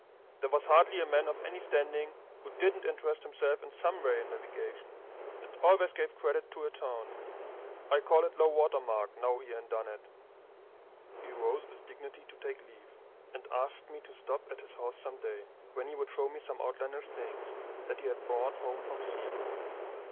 "There was hardly a man of any standing who didn't interest himself in some way in navigation. It always gave credit to a town. I call it low water mark now here in Dunnet." He rose with dignity to take leave, and asked me to stop at his house some day, when he would show me some outlandish things that he had brought home from sea.